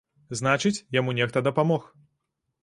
Значыць, яму нехта дапамог.